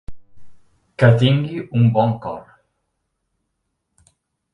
Que tingui un bon cor.